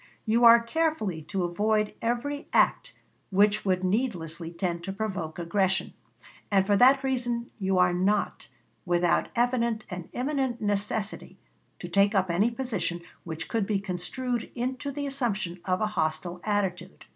You are carefully to avoid every act which would needlessly tend to provoke aggression, and for that reason you are not, without evident and imminent necessity, to take up any position which could be construed into the assumption of a hostile attitude.